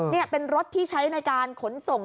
นี่เป็นรถที่ใช้ในการขนส่ง